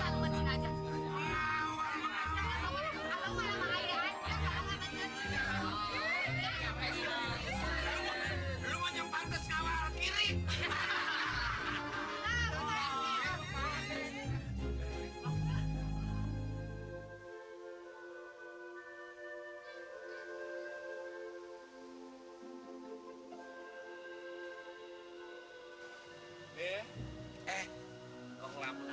lu mau nyempan ke sekolah kiri